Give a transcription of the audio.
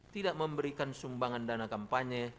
tidak memberikan sumbangan dana kampanye